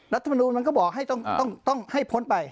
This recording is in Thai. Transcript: รัฐมนูลมันก็บอกให้ต้องให้พ้นไป